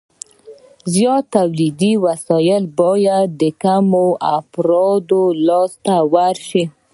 زیات تولیدي وسایل باید د کمو افرادو لاس ته ورشي